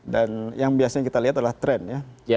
dan yang biasanya kita lihat adalah trend ya